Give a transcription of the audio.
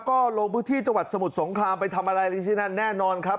ก็ลงพื้นที่จังหวัดสมุทรสงครามไปทำอะไรที่นั่นแน่นอนครับ